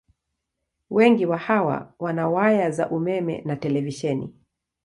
Wengi wa hawa wana waya za umeme na televisheni.